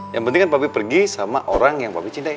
yang penting kan papi pergi sama orang yang papi cintai